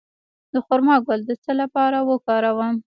د خرما ګل د څه لپاره وکاروم؟